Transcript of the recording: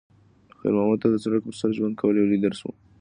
خیر محمد ته د سړک پر سر ژوند کول یو لوی درس و.